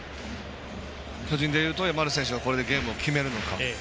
巨人でいうと丸選手がこれでゲームを決めるのか。